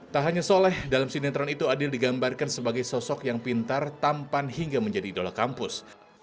tak hanya soleh dalam sinetron itu adil digambarkan sebagai sosok yang pintar tampan hingga menjadi idola kampus